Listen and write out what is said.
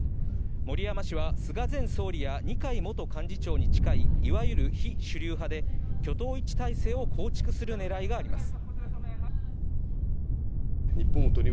森山氏は菅前総理や二階元幹事長に近い、いわゆる非主流派で挙党一致態勢を構築する狙いがあります。